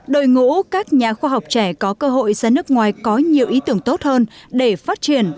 đội ngũ các nhà khoa học trẻ có cơ hội ra nước ngoài có nhiều ý tưởng tốt hơn để phát triển